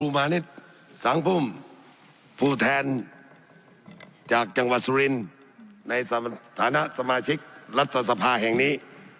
มานิดสังพุ่มผู้แทนจากจังหวัดสุรินทร์ในสถานะสมาชิกรัฐสภาแห่งนี้